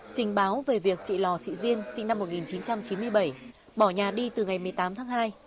trình báo về việc chị lò thị diên sinh năm một nghìn chín trăm chín mươi bảy bỏ nhà đi từ ngày một mươi tám tháng hai